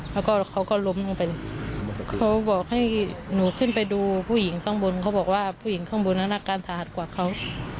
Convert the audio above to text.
แล้วก็เขาก็ล้มลงไปเขาบอกให้หนูขึ้นไปดูผู้หญิงข้างบนเขาบอกว่าผู้หญิงข้างบนนั้นอาการสาหัสกว่าเขา